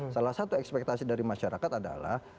salah satu ekspektasi dari masyarakat adalah